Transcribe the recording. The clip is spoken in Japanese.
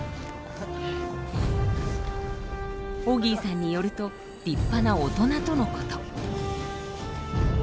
オギーさんによると立派な大人とのこと。